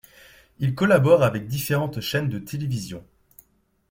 Il collabore avec différentes chaînes de télévision.